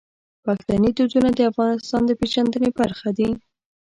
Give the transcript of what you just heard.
پښتني دودونه د افغانستان د پیژندنې برخه دي.